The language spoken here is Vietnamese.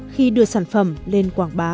khi đưa sản phẩm lên quảng bá